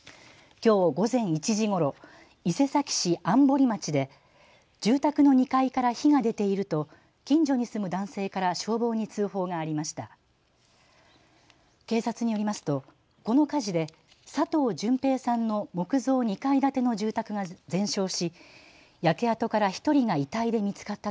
きょう午前１時ごろ、伊勢崎市安堀町で住宅の２階から火が出ていると近所に住む男性から消防に通報がありました。